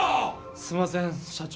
すみません社長。